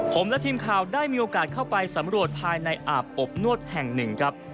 ผมและทีมข่าวได้มีโอกาสเข้าไปสำรวจภายในอาบอบนวดแห่งหนึ่งครับ